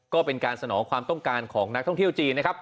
ก็เป็นการสนองความต้องการของนักท่องเที่ยวจีนนะครับ